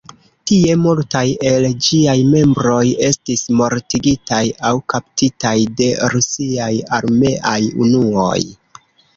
Tie multaj el ĝiaj membroj estis mortigitaj aŭ kaptitaj de rusiaj armeaj unuoj.